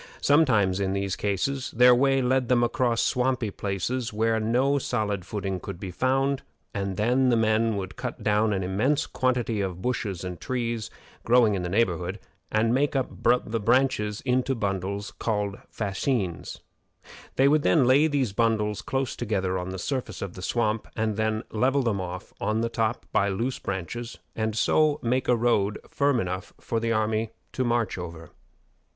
Sometimes, in these cases, their way led them across swampy places where no solid footing could be found, and then the men would cut down an immense quantity of bushes and trees growing in the neighborhood, and make up the branches into bundles called fascines. They would lay these bundles close together on the surface of the swamp, and then level them off on the top by loose branches, and so make a road firm enough for the army to march over.